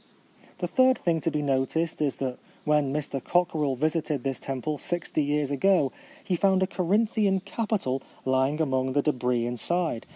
The third thing to be noticed is, that when Mr Cockerell visited this temple sixty years ago, he found a Corinthian capital lying among the debris inside.